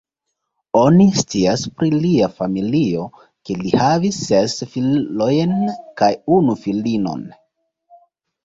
Oni scias pri lia familio, ke li havis ses filojn kaj unu filinon.